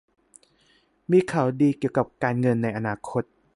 มีข่าวดีเกี่ยวกับการเงินในอนาคต